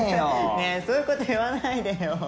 ねぇそういうこと言わないでよ。